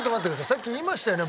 さっき言いましたよね